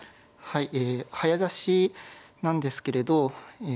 はい早指しなんですけれどえ